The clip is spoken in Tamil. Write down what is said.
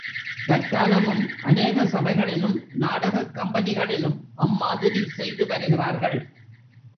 தற்காலமும் அநேக சபைகளிலும், நாடகக் கம்பெனிகளிலும் அம்மாதிரி செய்து வருகிறார்கள்.